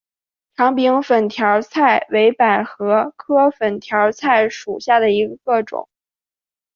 长柄粉条儿菜为百合科粉条儿菜属下的一个种。